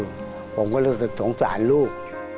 ผมก็รู้สึกสงสารลูก